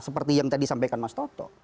seperti yang tadi sampaikan mas toto